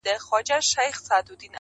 مامي سوګند پر هر قدم ستا په نامه کولای -